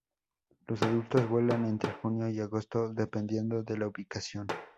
Los adultos vuelan entre junio y agosto dependiendo de la ubicación.